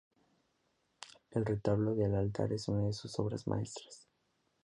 El retablo del altar es una de sus obras maestras.